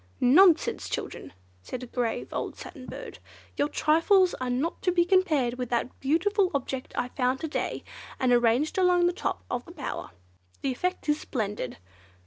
"Nonsense, children!" said a grave old Satin Bird, "your trifles are not to be compared with that beautiful object I found to day and arranged along the top of the bower. The effect is splendid!"